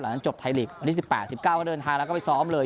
หลังจบวันที่สิบแปดสิบเก้าก็เดินทางแล้วก็ไปซ้อมเลย